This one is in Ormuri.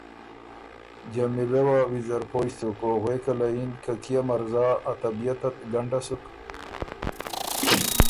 جمیلۀ وه ویزر پویٛ سُک او غوېکه له یِن که کيې مرزا ا طبیعتت ګنډه سُک